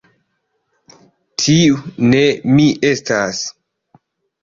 Tiu ne mi estas!